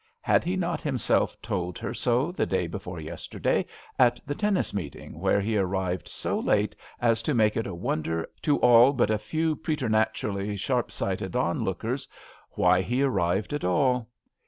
Had he not himself told her so the day before yester day at the tennis meeting, where be arrived so late as tp make it I40 A RAINY DAY. a wonder to all but a few preter naturally sharpsighted onlookers why he arrived at all